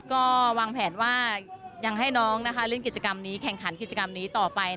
ก็วางแผนว่ายังให้น้องเล่นกิจกรรมนี้แข่งขันกิจกรรมนี้ต่อไป